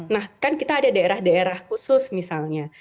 nah kan kita ada daerah daerah khusus misalnya